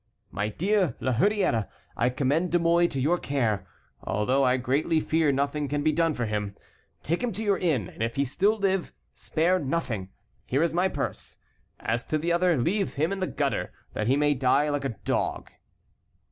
"My dear La Hurière, I commend De Mouy to your care, although I greatly fear nothing can be done for him. Take him to your inn, and if he still live, spare nothing. Here is my purse. As to the other, leave him in the gutter, that he may die like a dog."